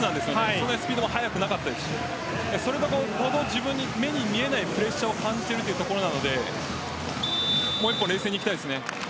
そんなにスピードも速くなかったですしそれほど自分の目に見えないプレッシャーを感じているというところなのでもう少し冷静にいきたいですね。